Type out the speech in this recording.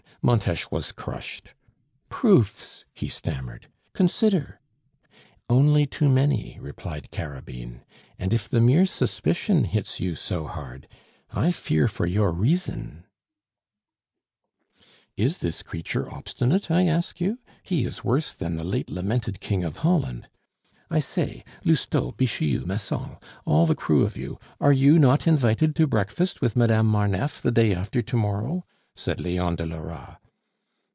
Montes was crushed. "Proofs," he stammered, "consider " "Only too many," replied Carabine; "and if the mere suspicion hits you so hard, I fear for your reason." "Is this creature obstinate, I ask you? He is worse than the late lamented King of Holland! I say, Lousteau, Bixiou, Massol, all the crew of you, are you not invited to breakfast with Madame Marneffe the day after to morrow?" said Leon de Lora.